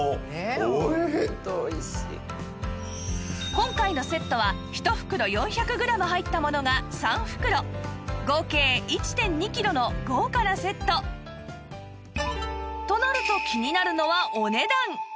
今回のセットは１袋４００グラム入ったものが３袋合計 １．２ キロの豪華なセットとなると気になるのはお値段